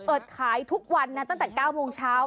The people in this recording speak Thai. เปิดขายทุกวันนะตั้งแต่๙โมงเช้า